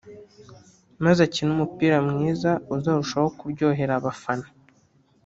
maze akine umupira mwiza uzarushaho kuryohera abafana”